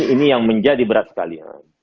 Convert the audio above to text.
ini yang menjadi berat sekalian